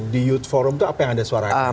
di youth forum itu apa yang ada suaranya